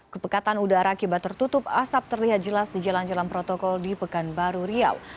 kepekatan udara akibat tertutup asap terlihat jelas di jalan jalan protokol di pekanbaru riau